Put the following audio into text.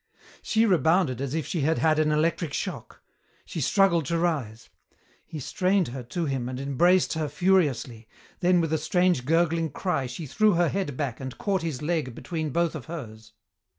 She rebounded as if she had had an electric shock. She struggled to rise. He strained her to him and embraced her furiously, then with a strange gurgling cry she threw her head back and caught his leg between both of hers.